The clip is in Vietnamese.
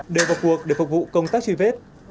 đều vào cuộc để phục vụ công tác truy vết